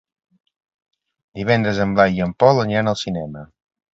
Divendres en Blai i en Pol aniran al cinema.